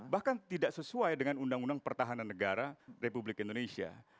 bahkan tidak sesuai dengan undang undang pertahanan negara republik indonesia